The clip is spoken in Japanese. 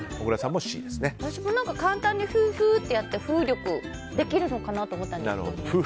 私も簡単にフー、フーってやって風力できるのかなと思ったんですが。